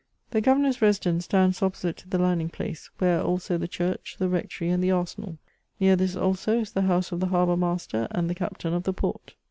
The Governor's residence stands opposite to the landing place, where are also the chiirch, the rectory, and the arsenal ; near this also is the house of the harbour master and the captain of the port.